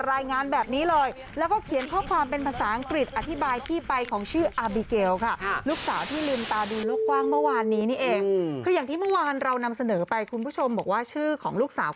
รายงานแบบนี้เลยแล้วก็